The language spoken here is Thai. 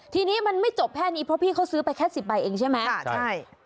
ทีนี้มันไม่จบแค่นี้เพราะพี่เขาซื้อไปแค่สิบใบเองใช่ไหม